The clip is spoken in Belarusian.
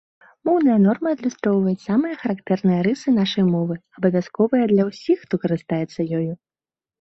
Моўныя нормы адлюстроўваюць самыя характэрныя рысы нашай мовы, абавязковыя для ўсіх, хто карыстаецца ёю.